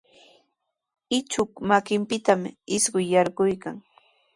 Ichuq makinpitami isquy yarquykan.